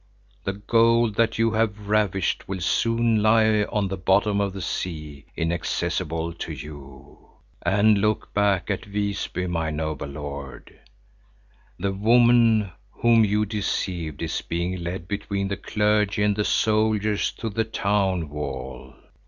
The gold that you have ravished will soon lie on the bottom of the sea, inaccessible to you. And look back at Visby, my noble lord! The woman whom you deceived is being led between the clergy and the soldiers to the town wall.